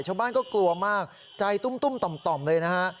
ชอบบ้านก็กลัวมากใจตุ้มตุ้มต่อมต่อมเลยนะฮะ